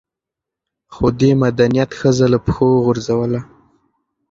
خو دې مدنيت ښځه له پښو وغورځوله